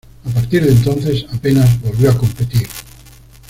A partir de entonces apenas volvió a competir.